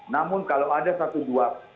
namun kalau ada satu dua